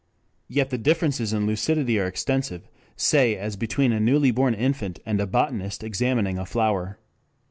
Yet the differences in lucidity are extensive, say as between a newly born infant and a botanist examining a flower.